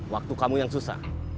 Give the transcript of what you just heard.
waktu kamu yang susah